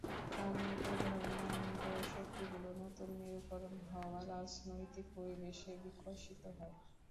তার মতে, ধর্মান্ধ শক্তিগুলো নতুন মেরুকরণ হওয়া রাজনৈতিক পরিবেশে বিকশিত হয়।